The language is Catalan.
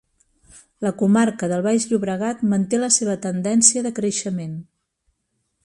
La comarca del baix Llobregat manté la seva tendència de creixement.